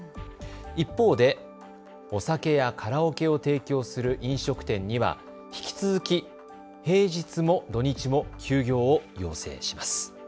一方でお酒やカラオケを提供する飲食店には引き続き平日も土日も休業を要請します。